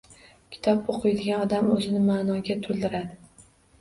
Kitob o‘qiydigan odam o‘zini ma’noga to‘ldiradi.